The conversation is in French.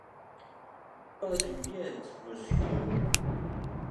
Pas une miette, monsieur.